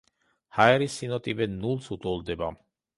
ჰაერის სინოტივე ნულს უტოლდება.